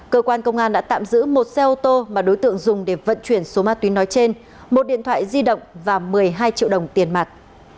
cơ quan công an đã tạm giữ một xe ô tô mà đối tượng dùng để vận chuyển số ma túy nói trên một điện thoại di động và một mươi hai triệu đồng tiền mặt